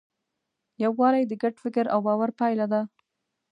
یووالی د ګډ فکر او باور پایله ده.